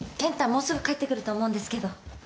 もうすぐ帰ってくると思うんですけど。